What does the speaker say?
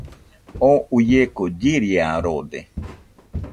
Oo uieko chiriarode.